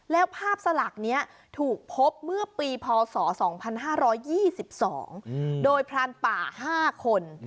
แล้วภาพสลักนี้ถูกพบเมื่อปีพศ๒๕๒๒โดยพรานป่า๕คน